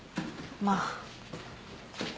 まあ。